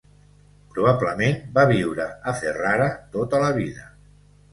Probablement va viure a Ferrara tota la vida.